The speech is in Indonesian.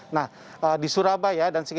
nah di surabaya dan sekitar